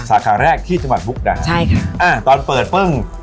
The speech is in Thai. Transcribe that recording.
สาขาแรกที่จังหวัดบุคดาใช่ค่ะเออตอนเปิดเฟิ่ง